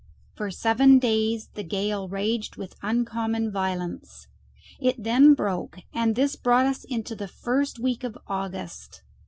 For seven days the gale raged with uncommon violence: it then broke, and this brought us into the first week of August.